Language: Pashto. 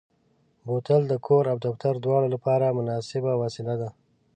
بوتل د کور او دفتر دواړو لپاره مناسبه وسیله ده.